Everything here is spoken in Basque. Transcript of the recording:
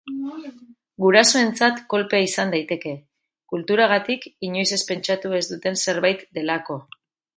Gurasoentzat kolpea izan daiteke, kulturagatik inoiz pentsatu ez duten zerbait delako.